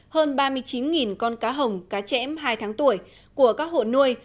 hơn ba mươi chín con cá hồng cá chẽm hai tháng tuổi của các hộ nuôi